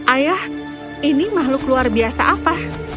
ayah ini makhluk luar biasa apa